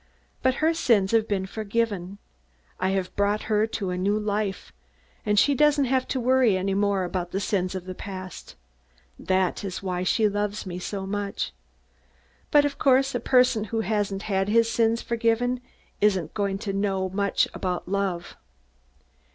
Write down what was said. But her sins have been forgiven her. I have brought her to a new life, and she doesn't have to worry any more about the sins of the past. That is why she loves me so much. But, of course, a person who hasn't had his sins forgiven isn't going to know much about love."